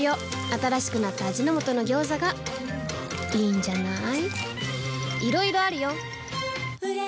新しくなった味の素の「ギョーザ」がいいんじゃない？